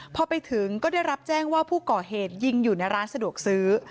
พอไปถึงก็ได้รับแจ้งว่าผู้ก่อเหตุยิงอยู่ในร้านสะดวกซื้อ